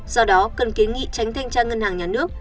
do đó cần kiến nghị tránh thanh tra ngân hàng nhà nước